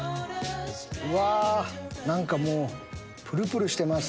わー、なんかもう、プルプルしてます。